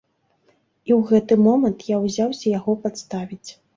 І ў гэты момант я ўзяўся яго падставіць.